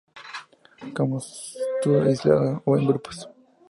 Como arbusto aislado o en grupos.